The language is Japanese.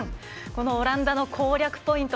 オランダの攻略ポイント